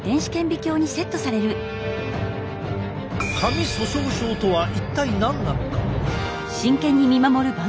髪粗しょう症とは一体何なのか？